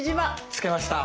着けました。